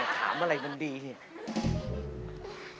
ถามอะไรมันดีเนี่ย